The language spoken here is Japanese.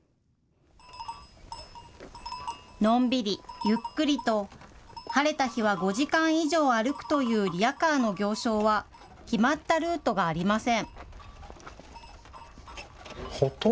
のんびり、ゆっくりと晴れた日は５時間以上、歩くというリヤカーの行商は決まったルートがありません。